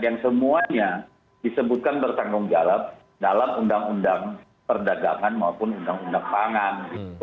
yang semuanya disebutkan bertanggung jawab dalam undang undang perdagangan maupun undang undang pangan